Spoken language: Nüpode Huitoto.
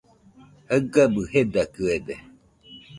Jaɨgabɨ jedakɨede